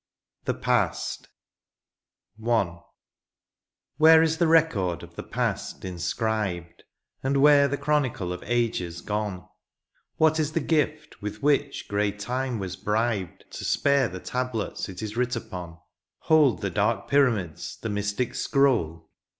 THE PAST. I. Where is the record of the past inscribed^ And where the chronicle of ages gone ? What is the gift with which grey time was bribed To spare the tablets it is writ upon ? Hold the dark pyramids the mystic scroll